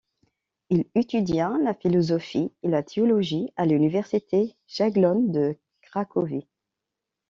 Il étudia la philosophie et la théologie à l'université jagellonne de Cracovie.